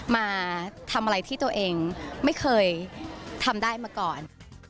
มาทำอะไรที่ตัวเองไม่เคยทำได้มาก่อน